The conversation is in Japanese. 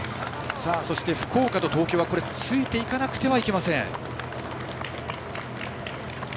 そして、福岡と東京はついていかなくてはいけません。